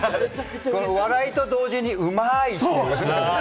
お笑いと同時に、うまい！って。